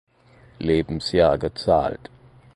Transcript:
Lebensjahr gezahlt.